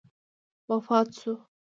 وفات شو.